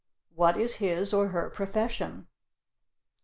What is his or her profession?